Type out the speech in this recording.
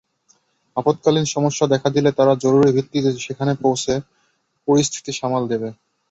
আপৎকালীন সমস্যা দেখা দিলে তারা জরুরি ভিত্তিতে সেখানে পৌঁছে পরিস্থিতি সামাল দেবে।